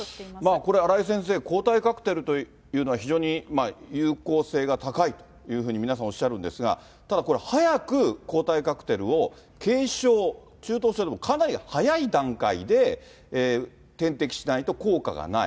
これ、荒井先生、抗体カクテルというのは非常に有効性が高いというふうに、皆さんおっしゃるんですが、ただこれ、早く抗体カクテルを軽症、中等症でも、かなり早い段階で点滴しないと効果がない。